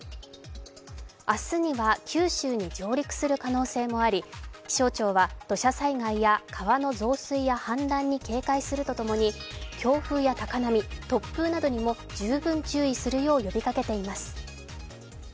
明日には九州に上陸する可能性もあり、気象庁は土砂災害や川の増水や氾濫に警戒するとともに、強風や高波、突風などにも十分注意するよう呼びかけています。